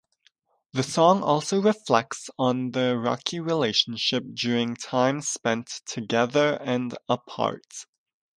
The song also reflects on their rocky relationship during times spent together and apart.